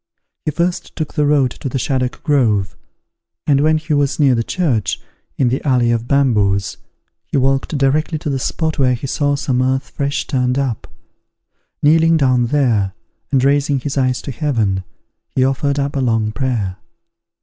He first took the road to the Shaddock Grove, and when he was near the church, in the Alley of Bamboos, he walked directly to the spot where he saw some earth fresh turned up; kneeling down there, and raising his eyes to heaven, he offered up a long prayer.